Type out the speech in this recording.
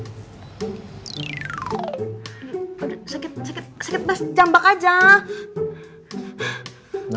sakit sakit sakit mas jambak aja